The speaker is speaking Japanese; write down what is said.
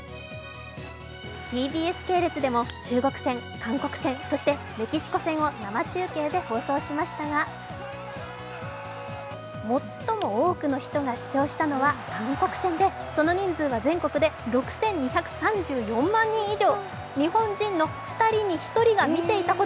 ＴＢＳ系列でも中国戦、韓国戦そしてメキシコ戦を生中継で放送しましたが最も多くの人が視聴したのは韓国戦で、その人数は全国で６２３４万人以上。